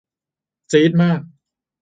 จี๊ดมาก